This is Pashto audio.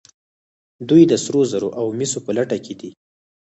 دوی د سرو زرو او مسو په لټه دي.